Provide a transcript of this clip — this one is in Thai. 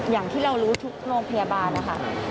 อย่างที่เรารู้ทุกโรงพยาบาลนะคะ